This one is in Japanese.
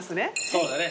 そうだね。